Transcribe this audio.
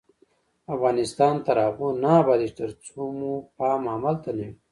افغانستان تر هغو نه ابادیږي، ترڅو مو پام عمل ته نه وي.